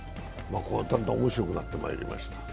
だんだん面白くなってまいりました。